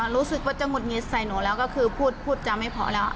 รู้สึกว่าจะหุดหงิดใส่หนูแล้วก็คือพูดจำไม่พอแล้ว